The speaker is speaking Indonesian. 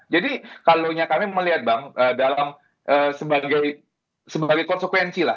jadi kalau nyakarnya melihat bang dalam sebagai konsekuensi lah